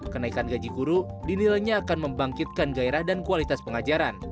kenaikan gaji guru dinilainya akan membangkitkan gairah dan kualitas pengajaran